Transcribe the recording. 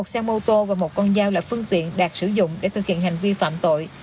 một xe mô tô và một con dao là phương tiện đạt sử dụng để thực hiện hành vi phạm tội